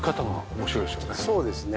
そうですね。